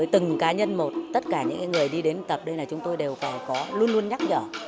từng cá nhân một tất cả những người đi đến tập đây là chúng tôi đều phải có luôn luôn nhắc nhở